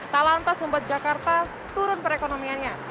tak lantas membuat jakarta turun perekonomiannya